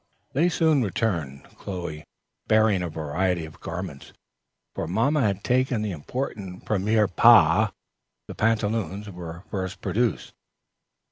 They soon returned, Chloe bearing a variety of garments, for mamma had taken the important premier pas. The pantaloons were first produced.